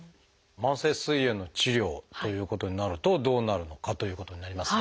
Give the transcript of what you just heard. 慢性すい炎の治療ということになるとどうなるのかということになりますが。